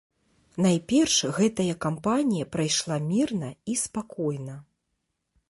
Найперш, гэтая кампанія прайшла мірна і спакойна.